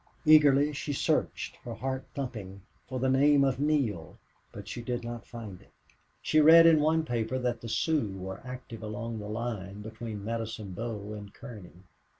Eagerly she searched, her heart thumping, for the name of Neale, but she did not find it. She read in one paper that the Sioux were active along the line between Medicine Bow and Kearney.